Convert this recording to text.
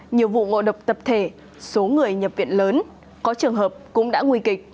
nhiều vụ ngộ độc tập thể số người nhập viện lớn có trường hợp cũng đã nguy kịch